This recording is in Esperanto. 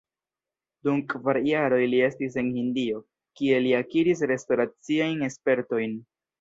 Dum kvar jaroj li estis en Hindio, kie li akiris restoraciajn spertojn.